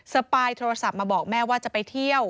ปายโทรศัพท์มาบอกแม่ว่าจะไปเที่ยว